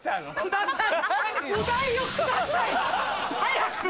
早く！